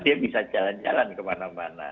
dia bisa jalan jalan kemana mana